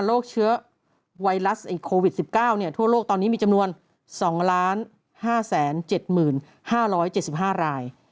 เชื้อไวรัสโควิด๑๙ทั่วโลกตอนนี้มีจำนวน๒๕๗๕๗๕ราย